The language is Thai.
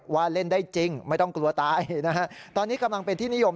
เล่นได้จริงไม่ต้องกลัวตายนะฮะตอนนี้กำลังเป็นที่นิยม